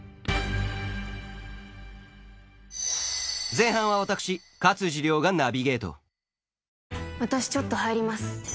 前半は私勝地涼がナビゲート私ちょっと入ります。